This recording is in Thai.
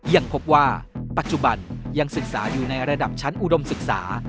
ยังพบว่าปัจจุบันยังศึกษาอยู่ในระดับชั้นอุดมศึกษา